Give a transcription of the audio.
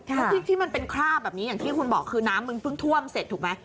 แล้วที่มันเป็นคราบแบบนี้อย่างที่คุณบอกคือน้ำมึงเพิ่งท่วมเสร็จถูกไหม